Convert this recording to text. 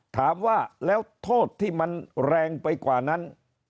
ถามว่าแล้วโทษที่มันแรงไปกว่านั้น